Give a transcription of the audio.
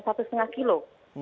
satu setengah kilo